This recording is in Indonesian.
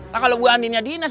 lah kalo bu andinnya dinas